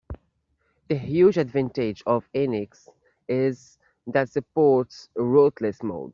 The huge advantage of NX is that it supports "rootless" mode.